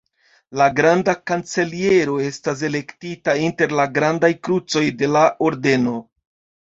La granda kanceliero estas elektita inter la grandaj krucoj de la ordeno.